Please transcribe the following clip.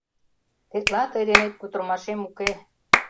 Тетла тый денет кутырымашем уке.